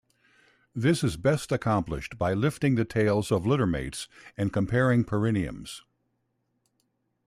This is best accomplished by lifting the tails of littermates and comparing perineums.